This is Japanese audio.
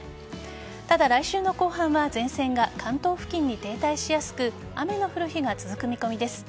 ただ、来週の後半は前線が関東付近に停滞しやすく雨の降る日が続く見込みです。